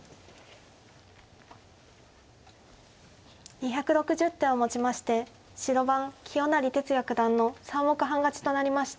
２６０手をもちまして白番清成哲也九段の３目半勝ちとなりました。